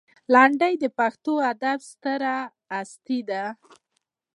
لنډۍ د پښتو ادب ستره هستي ده.